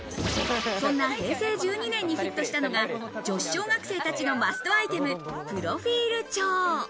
そんな平成１２年にヒットしたのが女子小学生のマストアイテム、プロフィール帳。